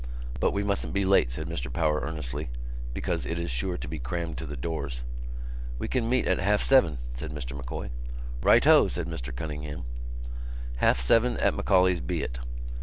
"But we mustn't be late," said Mr Power earnestly, "because it is sure to be crammed to the doors." "We can meet at half seven," said Mr M'Coy. "Righto!" said Mr Cunningham. "Half seven at M'Auley's be it!"